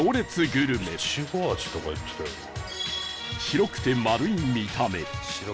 白くて丸い見た目